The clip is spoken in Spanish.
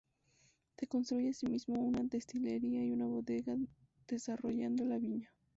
Se construye asimismo una destilería y una bodega, desarrollando la viña.